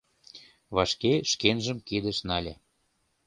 Вашке шкенжым кидыш нале.